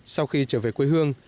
sau khi trở về quê hương